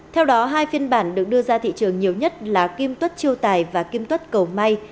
theo đó hai phiên bản được đưa ra thị trường nhiều nhất là kim tuất chiêu tài và kim tuất cầu may